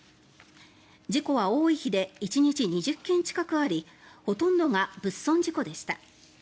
事故は多い日で１日２０件近くありほとんどが物損事故でした。